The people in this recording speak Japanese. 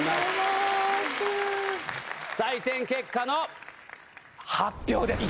採点結果の発表です！